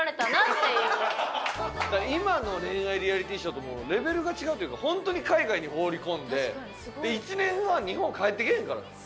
今の恋愛リアリティーショーともうレベルが違うというか本当に海外に放り込んで１年半日本帰ってけえへんからね。